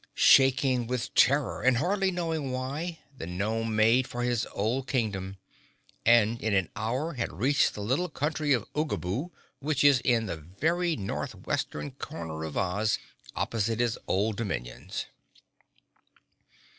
Shaking with terror and hardly knowing why, the gnome made for his old Kingdom, and in an hour had reached the little country of Oogaboo, which is in the very northwestern corner of Oz, opposite his old dominions.